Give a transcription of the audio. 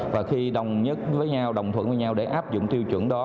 và khi đồng nhất với nhau đồng thuận với nhau để áp dụng tiêu chuẩn đó